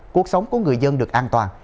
cuộc sống của người dân được an toàn